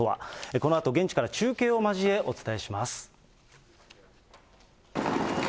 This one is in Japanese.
このあと現地から中継を交え、お伝えします。